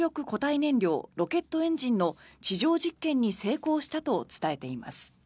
燃料ロケットエンジンの地上実験に成功したと伝えています。